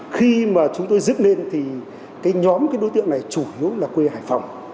khi mà chúng tôi dứt lên thì nhóm đối tượng này chủ yếu là quê hải phóng